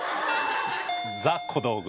ザ小道具。